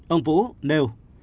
ông vũ nêu